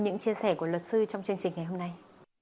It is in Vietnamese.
những chia sẻ của luật sư trong chương trình ngày hôm nay